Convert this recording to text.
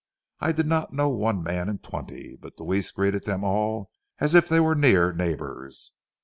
I did not know one man in twenty, but Deweese greeted them all as if they were near neighbors.